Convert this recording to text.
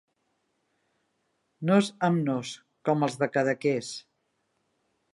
Nos amb nos, com els de Cadaqués.